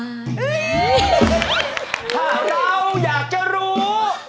ถ้าเราอยากจะรู้